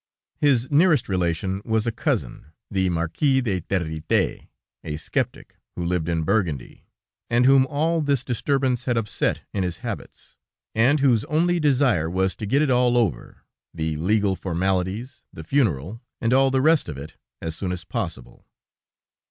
"His nearest relation was a cousin, the Marquis de Territet, a skeptic, who lived in Burgundy, and whom all this disturbance had upset in his habits, and whose only desire was to get it all over, the legal formalities, the funeral, and all the rest of it, as soon as possible.